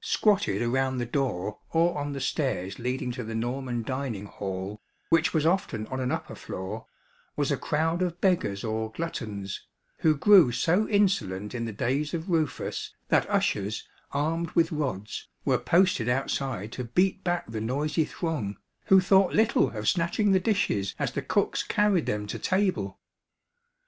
Squatted around the door or on the stairs leading to the Norman dining hall, which was often on an upper floor, was a crowd of beggars or gluttons, who grew so insolent in the days of Rufus, that ushers, armed with rods, were posted outside to beat back the noisy throng, who thought little of snatching the dishes as the cooks carried them to table!